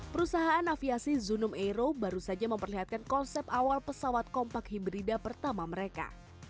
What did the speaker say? perusahaan aviasi zunum aero baru saja memperlihatkan konsep awal pesawat kompak hibrida pertama mereka